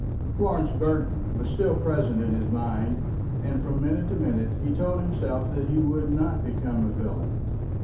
Florence Burton was still present to his mind, and from minute to minute he told himself that he would not become a villain.